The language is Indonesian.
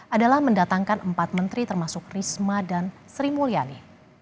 adalah mendatangkan empat menteri termasuk risma dan sri mulyani